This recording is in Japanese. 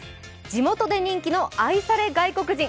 地元で人気の愛され外国人。